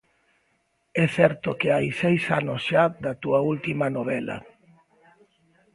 É certo que hai seis anos xa da túa última novela.